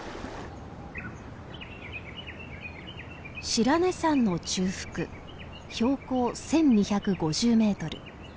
白根山の中腹標高１，２５０メートル。